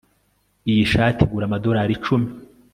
Iyi shati igura amadorari icumi